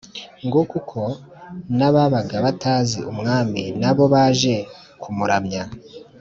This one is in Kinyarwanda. Nguko uko n’ababaga batazi umwami na bo baje kumuramya,